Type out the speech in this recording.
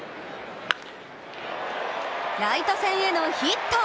ライト線へのヒット。